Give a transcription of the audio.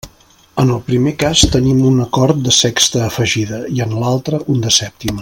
En el primer cas tenim un acord de sexta afegida, i en l'altre un de sèptima.